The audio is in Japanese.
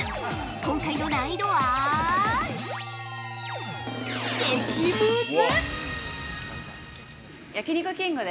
今回の難易度は激ムズ。